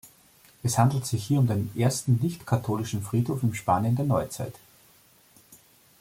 Es handelt sich hier um den ersten nicht-katholischen Friedhof im Spanien der Neuzeit.